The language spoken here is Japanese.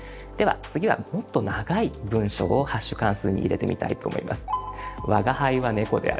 では次はもっと長い文章をハッシュ関数に入れてみたいと思います。